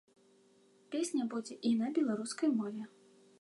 Песня будзе і на беларускай мове.